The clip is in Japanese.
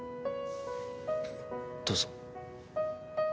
どうぞ。